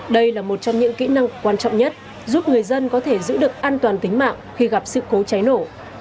đây là một trong những kỹ năng quan trọng nhất giúp người dân có thể giữ được an toàn tính mạng khi gặp sự cố cháy nổ